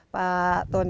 jadi if good